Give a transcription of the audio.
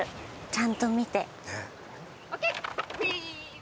ちゃんと見て。